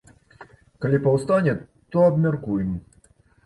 Калі паўстане, то абмяркуем.